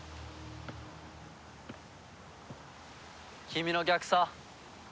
君の逆さ。